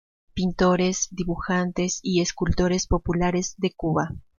Pintores, dibujantes y escultores populares de Cuba"".